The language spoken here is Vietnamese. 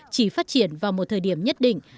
chỉ phát triển vào một thời điểm nhất định